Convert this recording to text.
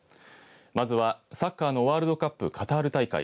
まずはサッカーのワールドカップ、カタール大会